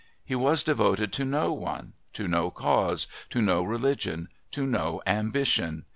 He was devoted to no one, to no cause, to no religion, to no ambition.